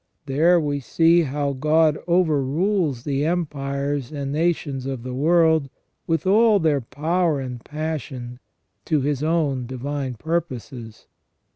There we see how God overrules the empires and nations of the world with all their power and passion to His own divine purposes.